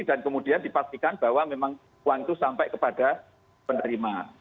dan kemudian dipastikan bahwa memang uang itu sampai kepada penerima